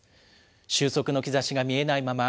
収束の兆しが見えないまま、